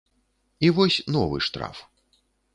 І вось новы штраф.